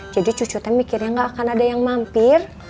jadi cucu teh mikirnya enggak akan ada yang mampir